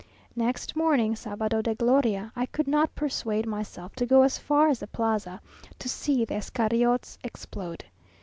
Next morning, Sábado de Gloria, I could not persuade myself to go as far as the Plaza, to see the Iscariots explode.